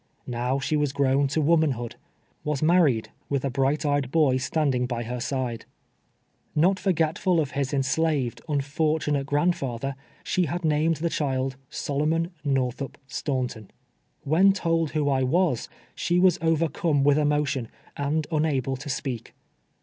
Now she was grown to womanhood — was married, with a bright ejed boy standing by her side. ]N^ot forgetful of his 320 TWELVE YEAUS A SLAVE. enslaved, unfortunate graml fatlier, she had named the chiUl Solomon Xorthup Staunton. AVhen told wlio I was, she was overcome witli emotion, and unable to speak.